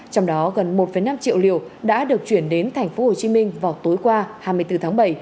trong đó gần một năm triệu liều đã được chuyển đến thành phố hồ chí minh vào tối qua hai mươi bốn tháng bảy